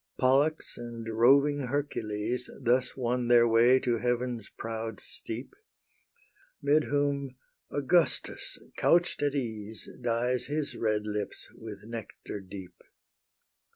Pollux and roving Hercules Thus won their way to Heaven's proud steep, 'Mid whom Augustus, couch'd at ease, Dyes his red lips with nectar deep.